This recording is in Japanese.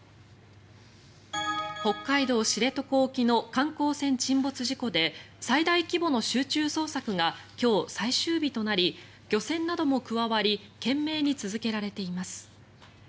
北海道・知床沖の観光船沈没事故で最大規模の集中捜索が今日、最終日となり漁船なども加わり懸命に続けられています。